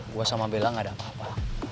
gue sama bella gak ada apa apa